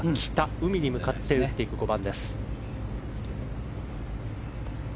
海に向かって打っていく５番。